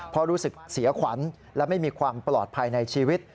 เพราะรู้สึกเสียขวัญและไม่มีความปลอดภัยในชีวิต